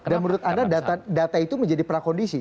dan menurut anda data itu menjadi prakondisi